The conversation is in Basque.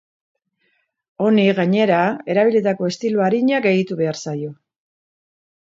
Honi, gainera, erabilitako estilo arina gehitu behar zaio.